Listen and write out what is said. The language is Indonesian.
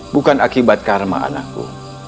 bukan akibat karma anakku